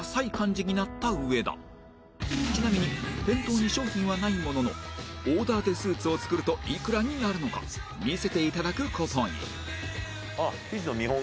ちなみに店頭に商品はないもののオーダーでスーツを作るといくらになるのか見せて頂く事に